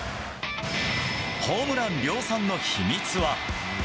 ホームラン量産の秘密は。